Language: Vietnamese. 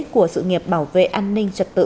của sự nghiệp bảo vệ an ninh trật tự